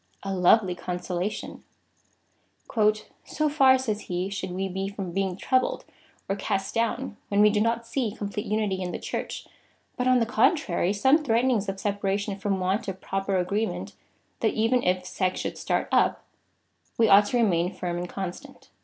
A lovely consolation !" So far, says he, should we be from being troubled, or cast down, when we do not see complete unity in the Church, but on the contrary some threatenings of separation from want of proper agreement, that even if sects should start up,^ we ought to remain firm and constant.